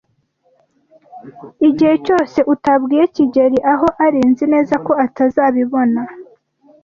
Igihe cyose utabwiye kigeli aho ari, nzi neza ko atazabibona.